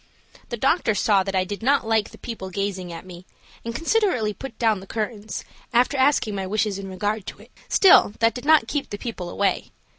The doctor saw that I did not like the people gazing at me, and considerately put down the curtains, after asking my wishes in regard to it. Still that did not keep the people away.